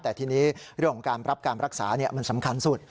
แต่ทีนี้เรื่องของการรับการรักษามันสำคัญสุด